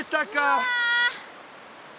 うわ。